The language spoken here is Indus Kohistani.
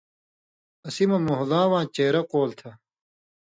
اَسی مَہ مھولا واں چیرہ قول تھہ